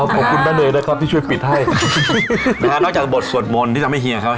ขอบคุณแม่เนยนะครับที่ช่วยปิดให้นะฮะนอกจากบทสวดมนต์ที่ทำให้เฮียเขา